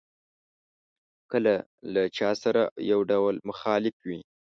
کله له چا سره یو ډول مخالف وي.